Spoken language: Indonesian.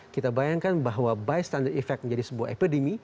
kita bayangkan bahwa bystander effect menjadi sebuah epidemi